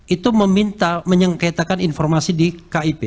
itu meminta menyengketakan informasi di kip